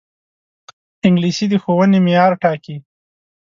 انګلیسي د ښوونې معیار ټاکي